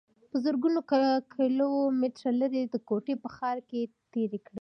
پۀ زرګونو کلومټره لرې د کوټې پۀ ښار کښې تير کړو